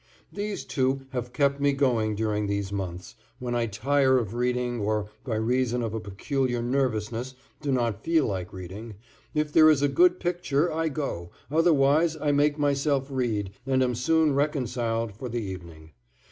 These two have kept me going during these months when I tire of reading or by reason of a peculiar nervousness do not feel like reading, if there is a good picture I go, otherwise I make myself read and am soon reconciled for the evening.